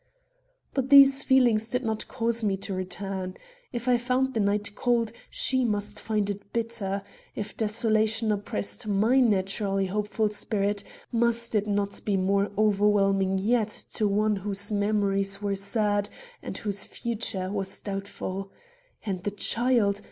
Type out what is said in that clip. But these feelings did not cause me to return. If I found the night cold, she must find it bitter. If desolation oppressed my naturally hopeful spirit, must it not be more overwhelming yet to one whose memories were sad and whose future was doubtful? And the child!